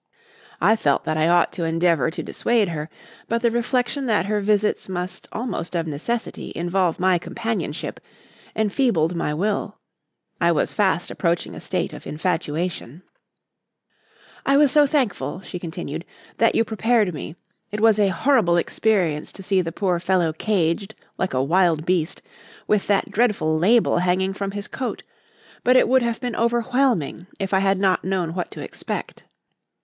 I felt that I ought to endeavour to dissuade her, but the reflection that her visits must almost of necessity involve my companionship, enfeebled my will. I was fast approaching a state of infatuation. "I was so thankful," she continued, "that you prepared me. It was a horrible experience to see the poor fellow caged like a wild beast, with that dreadful label hanging from his coat; but it would have been overwhelming if I had not known what to expect."